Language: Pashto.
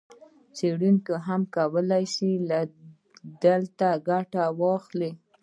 څېړونکي هم کولای شي له دې ګټه واخلي.